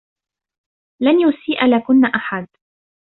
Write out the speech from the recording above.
لن يسيء لكن أحد.